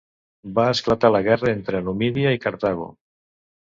Va esclatar la guerra entre Numídia i Cartago.